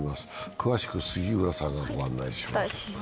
詳しくは杉浦さんがご案内します。